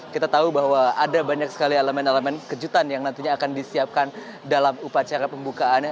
kita tahu bahwa ada banyak sekali elemen elemen kejutan yang nantinya akan disiapkan dalam upacara pembukaannya